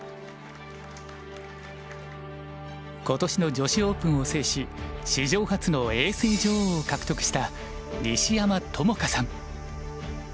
今年の女子オープンを制し史上初の永世女王を獲得した西山朋佳さん。